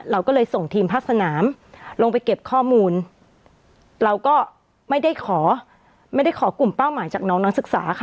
เราก็เลยส่งทีมภาคสนามลงไปเก็บข้อมูลเราก็ไม่ได้ขอไม่ได้ขอกลุ่มเป้าหมายจากน้องนักศึกษาค่ะ